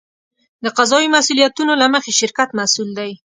د قضایي مسوولیتونو له مخې شرکت مسوول دی.